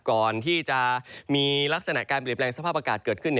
ก่อนที่จะมีลักษณะการเปลี่ยนแปลงสภาพอากาศเกิดขึ้น